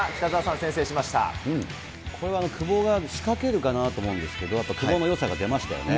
これは久保が仕掛けるかなと思うんですけど、やっぱり久保のよさが出ましたよね。